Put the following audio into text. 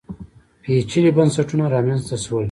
پېچلي بنسټونه رامنځته شول